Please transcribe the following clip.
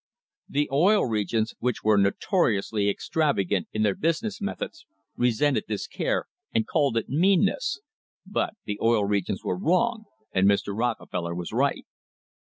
The Oil Regions, which were notoriously extravagant in their business methods, resented this care and called it mean ness, but the Oil Regions were wrong and Mr. Rockefeller was right.